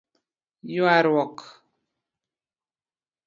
Yuaruok;